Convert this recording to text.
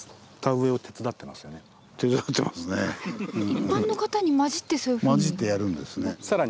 一般の方に交じってそういうふうに？